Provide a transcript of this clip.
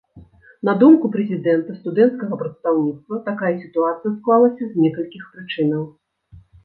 На думку прэзідэнта студэнцкага прадстаўніцтва, такая сітуацыя склалася з некалькіх прычынаў.